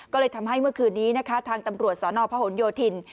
ก็เลยทำให้เมื่อคืนนี้นะคะทางตำรวจสนพหนโยธิน